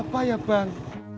ada apa ya bang